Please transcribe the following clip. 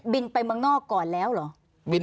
ไปเมืองนอกก่อนแล้วเหรอ